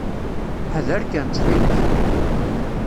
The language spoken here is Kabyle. Ḥader kan, ttxil-k.